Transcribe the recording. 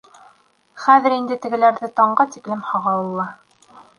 Хәҙер инде тегеләрҙе таңға тиклем һағауылла.